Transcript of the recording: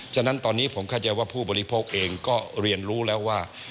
ฉะนั้นตอนนี้ผมเข้าใจว่าผู้บริโภคเองก็เรียนรู้แล้วว่า